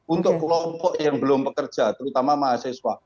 untuk kelompok yang belum bekerja terutama mahasiswa